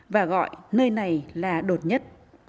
và gọi nơi này là đột nhất